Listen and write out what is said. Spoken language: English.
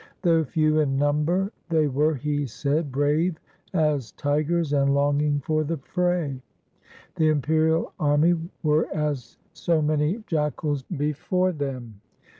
Though few in number, they were, he said, brave as tigers and longing for the fray. The imperial army were as so many jackals before them.